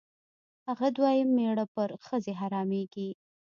هغه دویم مېړه پر ښځې حرامېږي.